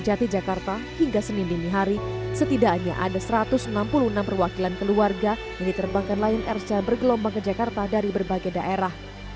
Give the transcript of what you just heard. dari jatih jakarta hingga senin dinihari setidaknya ada satu ratus enam puluh enam perwakilan keluarga yang diterbangkan lain rca bergelombang ke jakarta dari berbagai daerah